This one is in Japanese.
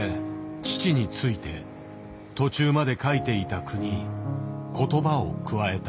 父について途中まで書いていた句に言葉を加えた。